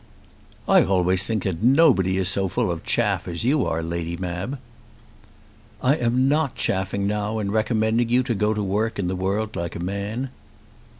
"I always think that nobody is so full of chaff as you are, Lady Mab." "I am not chaffing now in recommending you to go to work in the world like a man."